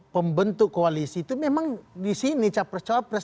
pembentuk koalisi itu memang disini capres capres